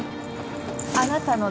あなたの猫？